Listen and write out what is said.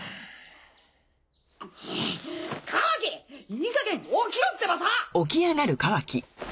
いい加減起きろってばさ！